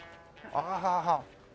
はあはあはあ。